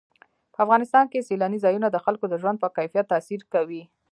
په افغانستان کې سیلانی ځایونه د خلکو د ژوند په کیفیت تاثیر کوي.